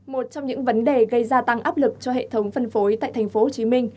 một trong những vấn đề gây ra tăng áp lực cho hệ thống phân phối tại tp hcm